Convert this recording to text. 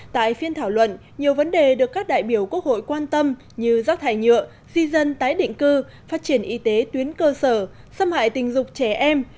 tại phiên thảo luận nhiều vấn đề được các đại biểu quốc hội quan tâm như rác thải nhựa di dân tái định cư phát triển y tế tuyến cơ sở xâm hại tình dục trẻ em